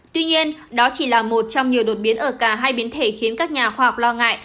tuy nhiên đó chỉ là một trong nhiều đột biến ở cả hai biến thể khiến các nhà khoa học lo ngại